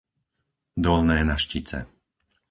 Dolné Naštice